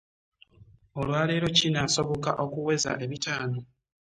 Olwalero kinasoboka okuweza ebitaano?